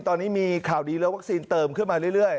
ตอนนี้มีข่าวดีแล้ววัคซีนเติมขึ้นมาเรื่อย